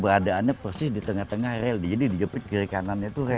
keberadaannya persis di tengah tengah rel jadi dijepit kiri kanannya itu rel